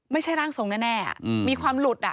ไม่ใช่ร่างทรงแน่มีความหลุด